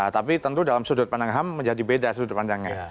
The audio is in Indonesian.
tapi tentu dalam sudut pandang ham menjadi beda sudut pandangnya